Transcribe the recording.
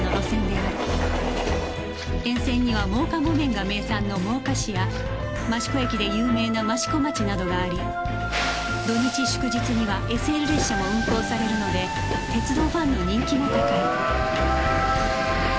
沿線には真岡木綿が名産の真岡市や益子焼で有名な益子町などがあり土日祝日には ＳＬ 列車も運行されるので鉄道ファンの人気も高い